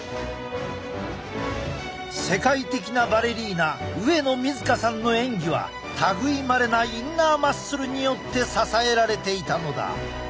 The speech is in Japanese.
世界的なバレリーナ上野水香さんの演技は類いまれなインナーマッスルによって支えられていたのだ。